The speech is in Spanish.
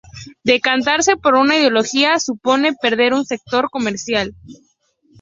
Decantarse por una ideología supone perder un sector comercial